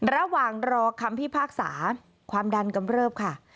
ระหว่างรอคำพิพากษาความดันกำเริบค่ะ